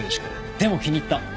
でも気に入った。